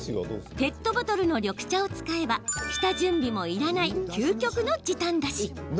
ペットボトルの緑茶を使えば下準備もいらない究極の時短だし。